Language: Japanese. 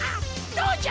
どうじゃ？